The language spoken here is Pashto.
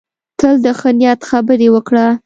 تل د ښه نیت خبرې وکړه.